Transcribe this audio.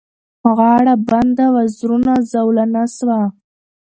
غاړه بنده وزرونه زولانه سوه